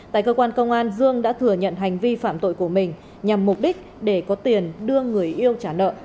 tại cơ quan công an dương đã thừa nhận hành vi phạm tội của mình nhằm mục đích để có tiền đưa người yêu trả nợ